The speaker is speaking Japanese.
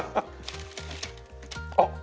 あっ！